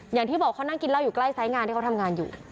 อย่างที่บอกเขานั่งกินเหล้าอยู่ใกล้สายงานที่เขาทำงานอยู่